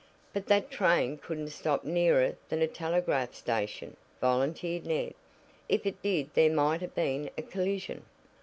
"But that train couldn't stop nearer than a telegraph station," volunteered Ned. "If it did there might have been a collision."